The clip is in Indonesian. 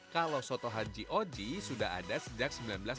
kalau soto haji oji sudah ada sejak seribu sembilan ratus delapan puluh